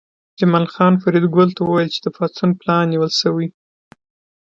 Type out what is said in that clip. جمال خان فریدګل ته وویل چې د پاڅون پلان نیول شوی